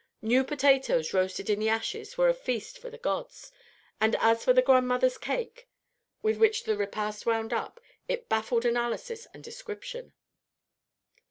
New potatoes roasted in the ashes were a feast for the gods; and as for the grandmother's cake with which the repast wound up, it baffled analysis and description.